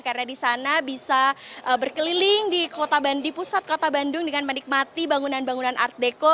karena di sana bisa berkeliling di pusat kota bandung dengan menikmati bangunan bangunan art deko